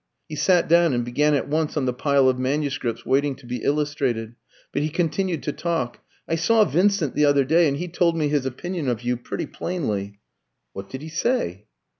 He sat down and began at once on the pile of manuscripts waiting to be illustrated. But he continued to talk. "I saw Vincent the other day, and he told me his opinion of you pretty plainly." "What did he say?"